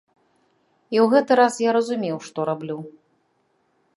І ў гэты раз я разумеў, што раблю.